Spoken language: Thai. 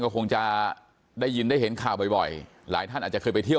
ก็คงจะได้ยินได้เห็นข่าวบ่อยหลายท่านอาจจะเคยไปเที่ยว